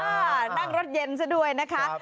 นั่งรถเย็นซะด้วยนะคะ